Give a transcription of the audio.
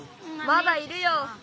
まだいるよ！